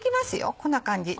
こんな感じ。